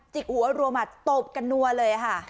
หัวรัวหมัดตบกันนัวเลยค่ะ